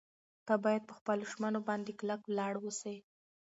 ته باید په خپلو ژمنو باندې کلک ولاړ واوسې.